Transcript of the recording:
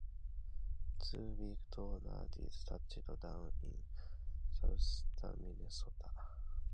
Two weak tornadoes touched down in southern Minnesota.